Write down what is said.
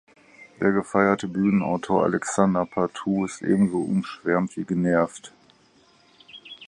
Der gefeierte Bühnenautor Alexander Patou ist ebenso umschwärmt wie genervt.